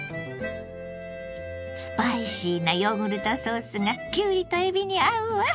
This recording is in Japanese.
スパイシーなヨーグルトソースがきゅうりとえびに合うわ。